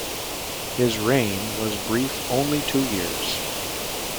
His reign was brief-only two years.